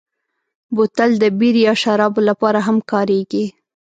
بوتل د بیر یا شرابو لپاره هم کارېږي.